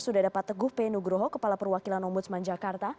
sudah ada pak teguh p nugroho kepala perwakilan ombudsman jakarta